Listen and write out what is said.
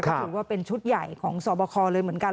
ถือว่าเป็นชุดใหญ่ของสอบคอเลยเหมือนกัน